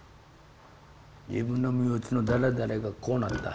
自分の身内の誰々がこうなった。